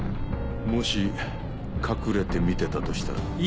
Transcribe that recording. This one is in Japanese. もし隠れて見てたとしたら。